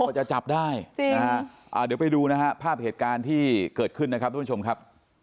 เราจะจับได้เดี๋ยวไปดูภาพเหตุการณ์ที่เกิดขึ้นนะครับทุกคนชมครับ